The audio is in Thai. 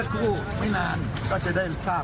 อีกสักครู่ไม่นานก็จะได้รูปภาพครับ